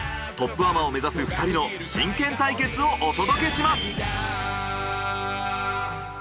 トップアマを目指す２人の真剣対決をお届けします。